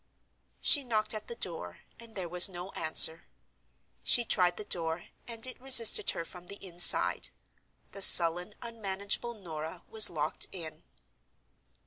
She knocked at the door, and there was no answer. She tried the door, and it resisted her from the inside. The sullen, unmanageable Norah was locked in.